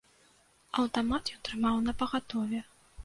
Аўтамат ён трымаў напагатове.